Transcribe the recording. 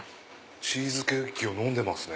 チーズケーキを飲んでますね。